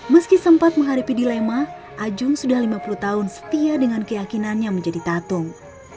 meski sempat menghadapi dilema ajung sudah lima puluh tahun setia dengan keyakinannya menjadi tatung